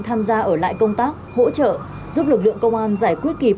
tham gia ở lại công tác hỗ trợ giúp lực lượng công an giải quyết kịp